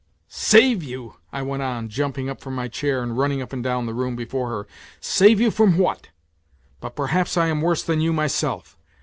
..." Save you !" I went on, jumping up from my chair and running up and down the room before her. " Save you from what ? But perhaps I am worse than you myself.